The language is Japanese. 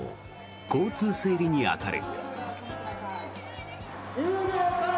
交通整理に当たる。